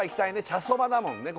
茶そばだもんね